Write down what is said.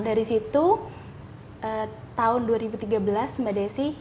dari situ tahun dua ribu tiga belas mbak desi